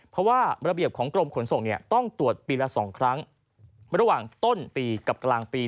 เพราะว่าระเบียบของกรมขนส่งเนี่ยต้องตรวจปีละ๒ครั้งระหว่างต้นปีกับกลางปี